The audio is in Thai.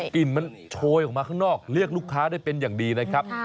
กลิ่นมันโชยออกมาข้างนอกเรียกลูกค้าได้เป็นอย่างดีนะครับ